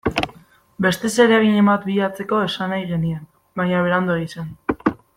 Beste zereginen bat bilatzeko esan nahi genien, baina Beranduegi zen.